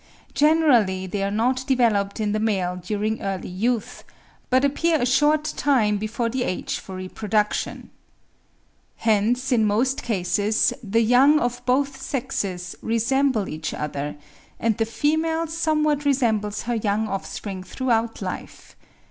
Generally they are not developed in the male during early youth, but appear a short time before the age for reproduction. Hence in most cases the young of both sexes resemble each other; and the female somewhat resembles her young offspring throughout life.